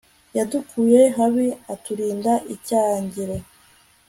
yadukuye habi atulinda icyangiro